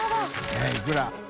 えっいくら？